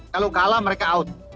kalau kalah mereka out